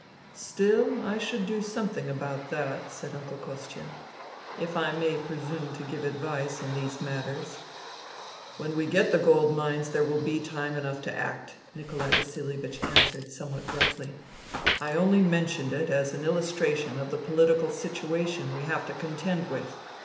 '* Hm !... Still, I should do something about that," said Uncle Kostia, " if I may presume to give advice in these matters." " When we get the gold mines there will be time enough to act," Nikolai VasiHevich answered some what gruffly. " I only mentioned it as an illustration of the political situation we have to contend with.